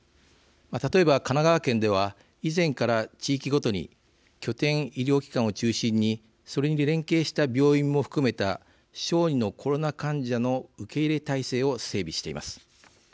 例えば、神奈川県では以前から地域ごとに拠点医療機関を中心にそれに連携した病院も含めた小児のコロナ患者の受け入れ体制を整備しています。